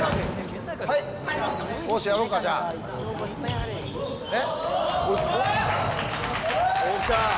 よし、やろうか、じゃあ。え？